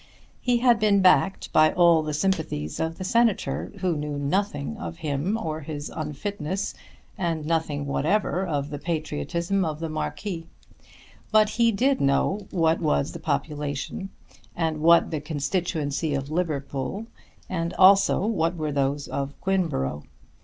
He had been backed by all the sympathies of the American Senator who knew nothing of him or his unfitness, and nothing whatever of the patriotism of the Marquis. But he did know what was the population and what the constituency of Liverpool, and also what were those of Quinborough.